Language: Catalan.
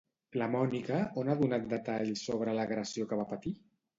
La Mònica on ha donat detalls sobre l'agressió que va patir?